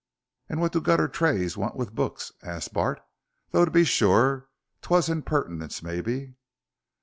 "And what do gutter Trays want with books?" asked Bart, "though to be sure 'twas impertinence maybe."